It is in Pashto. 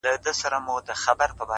• سردارانو يو د بل وهل سرونه,